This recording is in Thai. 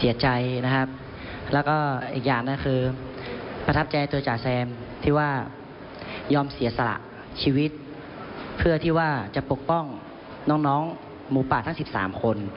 ยอมเสียสละชีวิตเพื่อที่ว่าจะปกป้องน้องหมูปากทั้ง๑๓คน